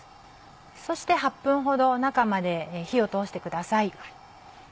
そして８分ほど中まで火を通してください。